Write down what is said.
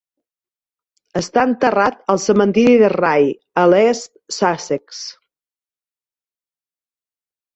Està enterrat al cementiri de Rye, a East Sussex.